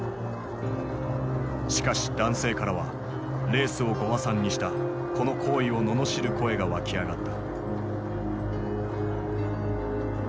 しかし男性からはレースをご破算にしたこの行為を罵る声が湧き上がった。